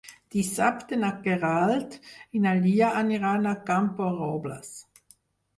Dissabte na Queralt i na Lia aniran a Camporrobles.